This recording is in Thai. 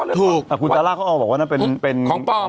ถูกเกูตาร่าเขาบอกว่านั้นเป็นของปลอม